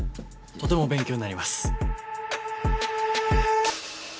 とても勉強になります。